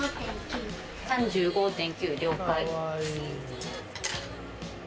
３５．９了解。